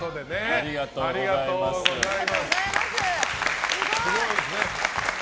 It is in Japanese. ありがとうございます。